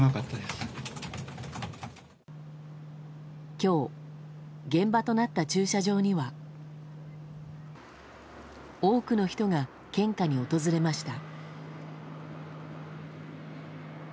今日、現場となった駐車場には多くの人が献花に訪れました。